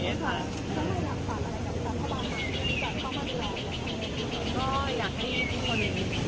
ก็อยากให้ทุกคน